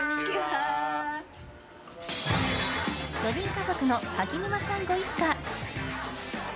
４人家族の柿沼さんご一家。